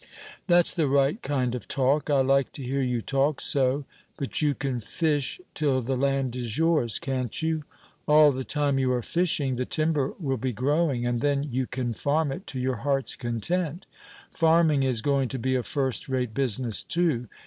"That's the right kind of talk; I like to hear you talk so; but you can fish till the land is yours can't you? All the time you are fishing, the timber will be growing, and then you can farm it to your heart's content; farming is going to be a first rate business, too.